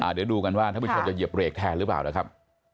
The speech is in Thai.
เดี๋ยวดูกันว่าท่านผู้ชมจะเหยียบเรกแทนหรือเปล่านะครับ